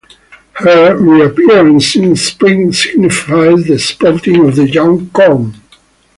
Her reappearance in spring signifies the sprouting of the young corn.